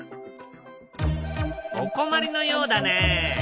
お困りのようだね。